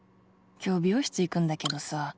今日美容室行くんだけどさ